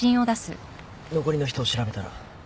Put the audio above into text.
残りの人を調べたら。